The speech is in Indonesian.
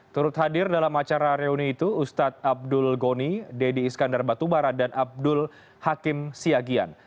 turut hadir dalam acara reuni itu ustadz abdul goni deddy iskandar batubara dan abdul hakim siagian